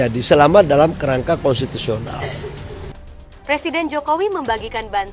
di depan istana jokowi